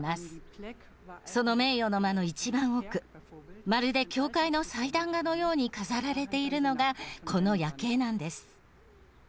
その名誉の間の一番奥まるで教会の祭壇画のように飾られているのがこの「夜警」なんです。